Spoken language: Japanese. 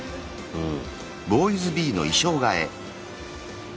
うん。